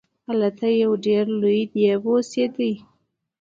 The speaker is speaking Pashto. هلته یو ډیر لوی دیو اوسیده.